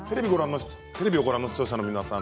テレビをご覧の視聴者の皆さん